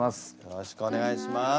よろしくお願いします。